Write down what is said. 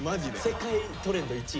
世界トレンド１位。